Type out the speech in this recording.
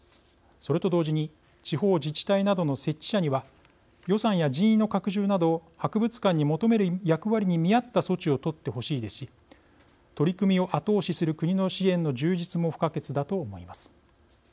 それと同時に地方自治体などの設置者には予算や人員の拡充など博物館に求める役割に見合った措置を取ってほしいですし取り組みを後押しする国の支援の充実も不可欠だと思います。